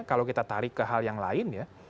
kalau kita tarik ke hal yang lain ya